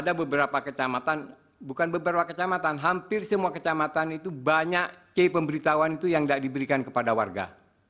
ada beberapa kecamatan bukan beberapa kecamatan hampir semua kecamatan itu banyak k pemberitahuan itu yang tidak diberikan kepada warga